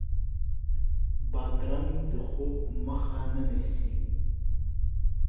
بادرنګ د خوب مخه نه نیسي.